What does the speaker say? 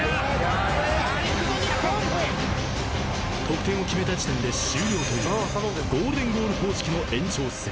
［得点を決めた時点で終了というゴールデンゴール方式の延長戦］